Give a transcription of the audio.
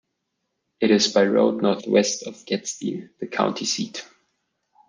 It is by road northwest of Gadsden, the county seat.